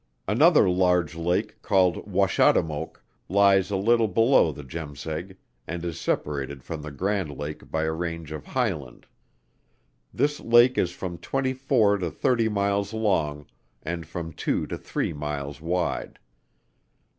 Another large lake called Washademoak, lies a little below the Jemseg, and is separated from the Grand Lake by a range of highland. This lake is from twenty four to thirty miles long, and from two to three miles wide.